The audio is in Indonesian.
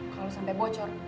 kalau sampai bocor